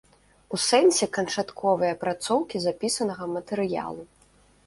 У сэнсе канчатковай апрацоўкі запісанага матэрыялу.